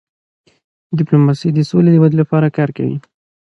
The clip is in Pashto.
ډيپلوماسي د سولې د ودی لپاره کار کوي.